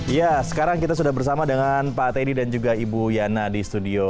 ya sekarang kita sudah bersama dengan pak teddy dan juga ibu yana di studio